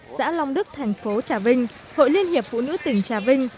xã long đức thành phố trà vinh hội liên hiệp phụ nữ tỉnh trà vinh